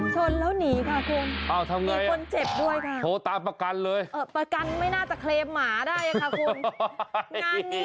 ชนแล้วหนีค่ะคุณมีคนเจ็บด้วยค่ะโทรตามประกันเลยประกันไม่น่าจะเคลมหมาได้ค่ะคุณงานนี้